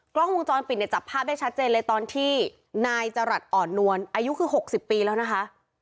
กล้องวงจรปิดเนี่ยจับภาพได้ชัดเจนเลยตอนที่นายจรัสอ่อนนวลอายุคือ๖๐ปีแล้วนะคะ